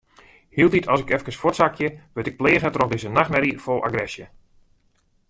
Hieltyd as ik eefkes fuortsakje, wurd ik pleage troch dizze nachtmerje fol agresje.